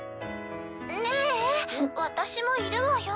ねえ私もいるわよ。